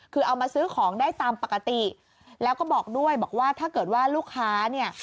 คือเอามาซื้อของได้ตามปกติแล้วก็บอกด้วยบอกว่าถ้าเกิดว่าลูกค้าเนี่ย